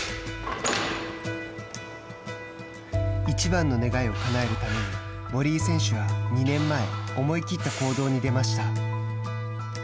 いちばんの願いをかなえるために森井選手は２年前思い切った行動に出ました。